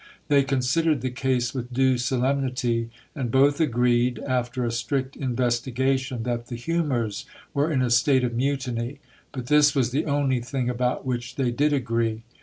They considered the case with due solemnity ; and both agreed, after a strict investi gation, that the humours were in a state of mutiny, but this was the only thing about which they did agree.